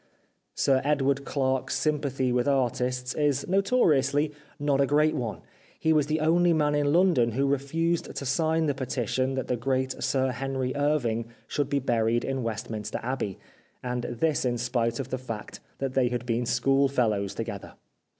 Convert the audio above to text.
Sir Edward Clarke's sympathy with artists is notoriously not a great one ; he was the only man in London who refused to sign the petition 363 The Life of Oscar Wilde that the great Sir Henry Irving should be buried in Westminster Abbey ; and this in spite of the fact that they had been schoolfellows together.